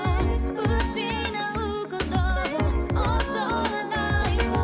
「失うことを恐れないわ」